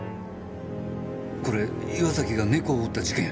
これ岩崎が猫を撃った事件。